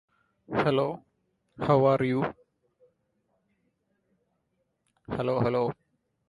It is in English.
The strategy of underbidding is dominated by bidding truthfully.